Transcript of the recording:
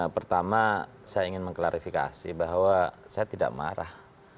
pertama saya ingin mengklarifikasi bahwa saya tidak marah